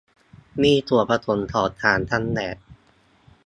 มีส่วนผสมของสารกันแดด